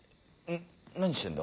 ん何してんだ？